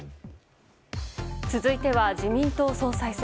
続いては、自民党総裁選。